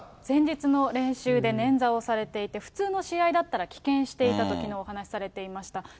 前日の練習で捻挫をされていて、普通の試合だったら棄権していたと、きのうお話されていました。